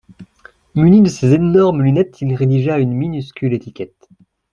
muni de ses énormes lunettes, il rédigea une minuscule étiquette